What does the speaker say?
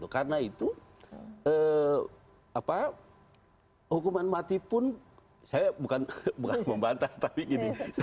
karena itu hukuman mati pun saya bukan membantah tapi gini